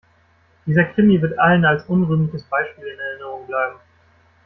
Dieser Krimi wird allen als unrühmliches Beispiel in Erinnerung bleiben.